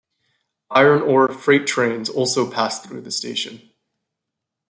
Iron ore freight trains also passed through the station.